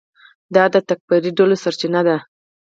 دا د تکفیري ډلو سرچینه ده.